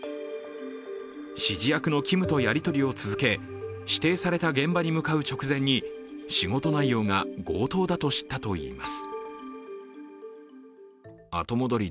指示役のキムとやり取りを続け指定された現場に向かう直前に仕事内容が強盗だと知ったといいます。